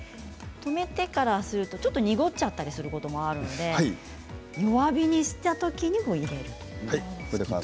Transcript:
止めてからするとちょっと濁っちゃったりすることがあるので弱火にしたときに入れると。